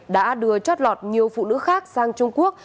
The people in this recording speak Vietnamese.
đã đưa chót lọt nhiều phụ nữ khác sang trung quốc